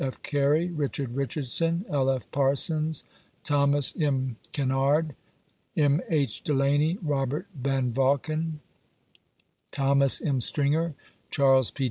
F. Carr, Richard Richardson, L. F. Parsons, Thomas M. Kinnard, M. H. Delany, Robert Vanvanken, Thomas M. Stringer, Charle* P.